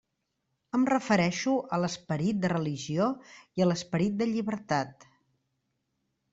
Em refereixo a l'esperit de religió i a l'esperit de llibertat.